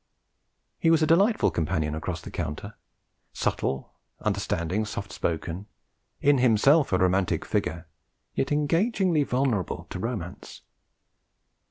He was a delightful companion across the counter: subtle, understanding, soft spoken, in himself a romantic figure, yet engagingly vulnerable to romance.